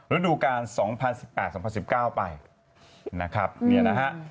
ฤดูการ๒๐๑๘๒๐๑๙ไปนะครับเนี่ยนะฮะ